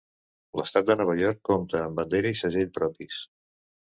L'Estat de Nova York compte amb bandera i segell propis.